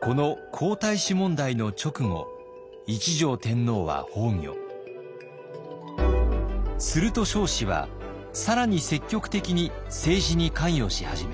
この皇太子問題の直後すると彰子は更に積極的に政治に関与し始めます。